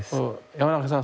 山中さん